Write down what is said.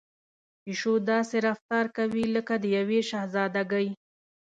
پيشو داسې رفتار کوي لکه د يوې شهزادګۍ.